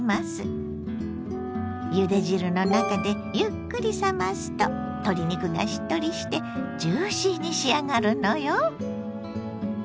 ゆで汁の中でゆっくり冷ますと鶏肉がしっとりしてジューシーに仕上がるのよ。